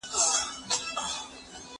ښوونځی ته ولاړ سه!.